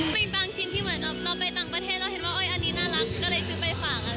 มีบางชิ้นที่เหมือนเราไปต่างประเทศเราเห็นว่าอันนี้น่ารักก็เลยซื้อไปฝาก